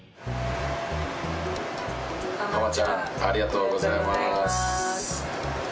浜ちゃんありがとうございます。